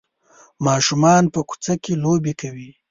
ماشومان په کوڅه کې لوبې کوي.